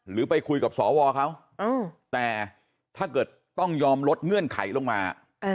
ไปคุยกับสวเขาแต่ถ้าเกิดต้องยอมลดเงื่อนไขลงมา